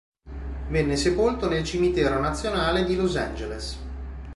Venne sepolto nel cimitero nazionale di Los Angeles.